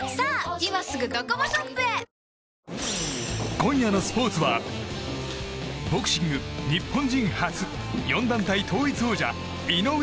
今夜のスポーツはボクシング日本人初４団体統一王者井上